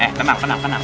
eh tenang tenang tenang